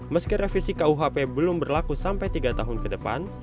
meski revisi kuhp belum berlaku sampai tiga tahun ke depan